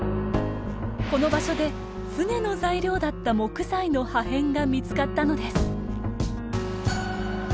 この場所で船の材料だった木材の破片が見つかったのです。